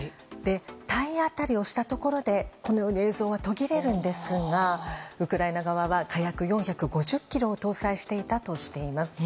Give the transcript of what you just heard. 体当たりをしたところで映像は途切れるんですがウクライナ側は火薬４５０ｋｇを搭載していたとしています。